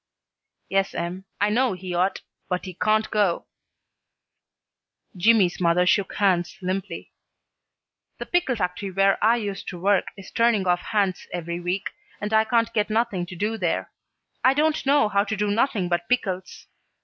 "Yes 'm, I know he ought, but he can't go." Jimmy's mother shook hands, limply. "The pickle factory where I used to work is turning off hands every week, and I can't get nothing to do there. I don't know how to do nothing but pickles.